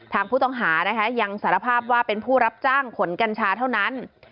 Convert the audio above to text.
ทางผู้ต้องหานะคะยังสารภาพว่าเป็นผู้รับจ้างขนกัญชาเท่านั้น